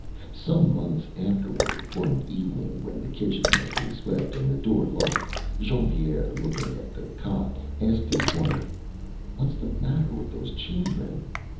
Some months afterwards, one evening when the kitchen had been swept, and the door locked, Jean Pierre, looking at the cot, asked his wife: ÂWhatÂs the matter with those children?